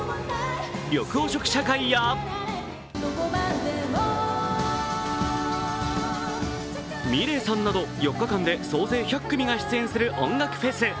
緑黄色社会やｍｉｌｅｔさんなど４日間で総勢１００組が出演する音楽フェス。